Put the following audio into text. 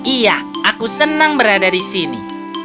iya aku senang berada di sini